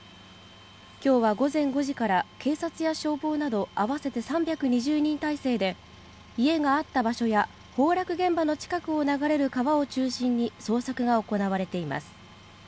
今日は午前５時から警察や消防など合わせて３２０人態勢で家があった場所や崩落現場の近くを流れる川を中心に捜索が行われています。